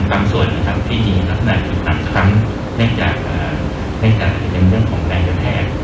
บางส่วนนี้พบถึงแค่เรื่องการแกนระเทศ